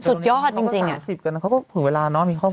สุดยอดจริงจริงอะอ่าสองสิบกันนะเขาก็ถึงเวลาน่ะมีความสุด